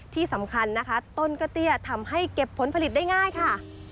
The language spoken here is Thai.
ที่สำคัญนะคะต้นก็เตี้ยทำให้เก็บผลผลิตได้ง่ายค่ะ